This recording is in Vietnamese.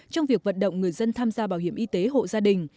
trong việc vận động người dân tham gia bảo hiểm y tế hộ gia đình